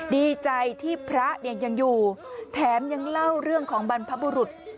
ดีใจที่พระเนี่ยยังอยู่แถมยังเล่าเรื่องของบรรพบุรุษ